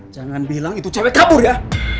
jangan bilang itu cewek kabur ya